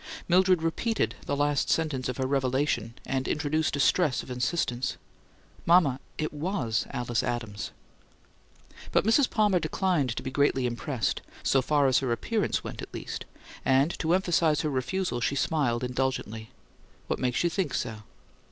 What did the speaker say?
Mildred repeated the last sentence of her revelation, and introduced a stress of insistence. "Mama, it WAS Alice Adams!" But Mrs. Palmer declined to be greatly impressed, so far as her appearance went, at least; and to emphasize her refusal, she smiled indulgently. "What makes you think so?"